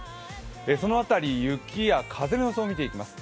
その辺り、雪や風の予想を見ていきます。